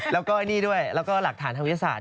แล้วก็ไอ้นี่ด้วยแล้วก็หลักฐานทางวิทยาศาสต